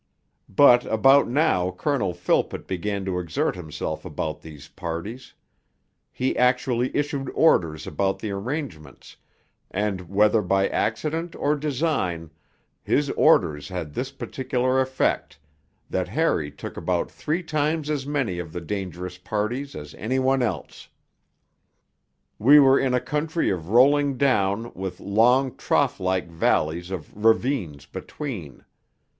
But about now Colonel Philpott began to exert himself about these parties; he actually issued orders about the arrangements, and whether by accident or design, his orders had this particular effect, that Harry took about three times as many of the dangerous parties as anybody else. We were in a country of rolling down with long trough like valleys or ravines between.